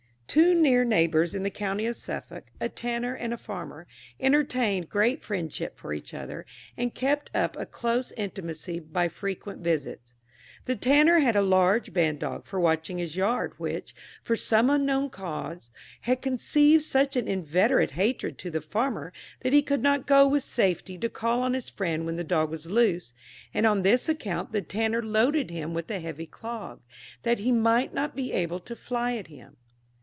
Two near neighbours in the county of Suffolk, a tanner and a farmer, entertained great friendship for each other, and kept up a close intimacy by frequent visits. The tanner had a large ban dog for watching his yard, which, from some unknown cause, had conceived such an inveterate hatred to the farmer, that he could not go with safety to call on his friend when the dog was loose, and on this account the tanner loaded him with a heavy clog, that he might not be able to fly at him.